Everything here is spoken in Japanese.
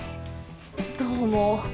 どうも。